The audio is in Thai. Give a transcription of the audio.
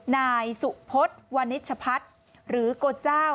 นายสุพศวันนิชพัฒน์หรือโกเจ้า